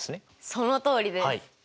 そのとおりです。